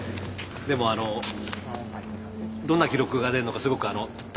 でもあのどんな記録が出るのかすごく楽しみでもあります。